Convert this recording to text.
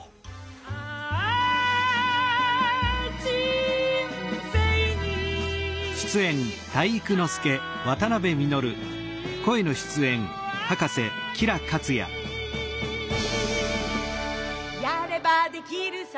「あぁ、人生に体育あり」「やればできるさ